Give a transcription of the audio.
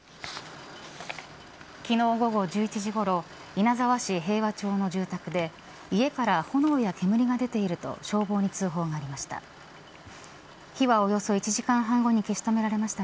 昨日午後１１時ごろ稲沢市平和町の住宅で家から炎や煙が出ていると消防に通報がありました。